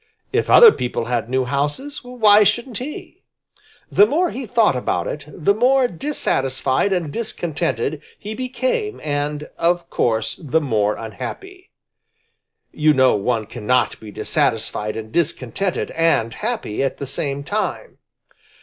If other people had new houses, why shouldn't he? The more he thought about it, the more dissatisfied and discontented he became and of course the more unhappy. You know one cannot be dissatisfied and discontented and happy at the same time.